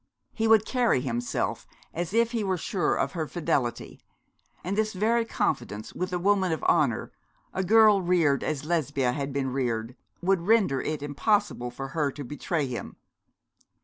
He would carry himself as if he were sure of her fidelity; and this very confidence, with a woman of honour, a girl reared as Lesbia had been reared, would render it impossible for her to betray him.